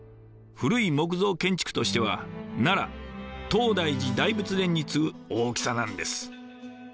古い木造建築としては奈良東大寺大仏殿に次ぐ大きさなんです。